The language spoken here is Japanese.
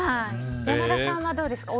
山田さんはどうですか？